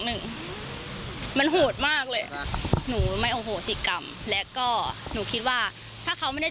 หนึ่งมันโหดมากเลยหนูไม่โอโหสิกรรมและก็หนูคิดว่าถ้าเขาไม่ได้